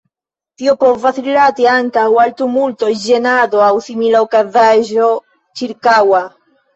Tio povas rilati ankaŭ al tumulto, ĝenado aŭ simila okazaĵo ĉirkaŭa.